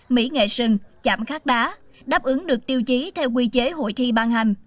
mỹ nghệ sừng chạm khát đá đáp ứng được tiêu chí theo quy chế hội thi ban hành